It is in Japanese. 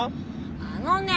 あのねえ。